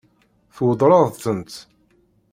Tweddṛeḍ-tent?